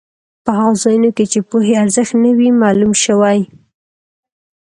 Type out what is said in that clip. په هغو ځایونو کې چې پوهې ارزښت نه وي معلوم شوی.